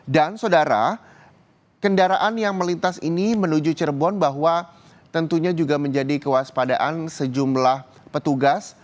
dan saudara kendaraan yang melintas ini menuju cirebon bahwa tentunya juga menjadi kewaspadaan sejumlah petugas